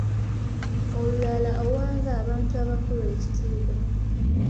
Olulala owanga abantu abakulu ekitiibwa.